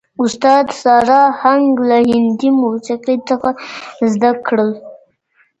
استاد سارا هنګ له هندي موسیقۍ څه زده کړل؟